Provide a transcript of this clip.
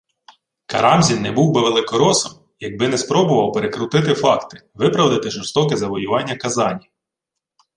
Карамзін не був би великоросом, якби не спробував перекрутити факти, виправдати жорстоке завоювання Казані